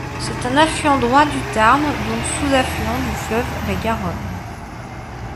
C'est un affluent droit du Tarn, donc sous-affluent du fleuve la Garonne.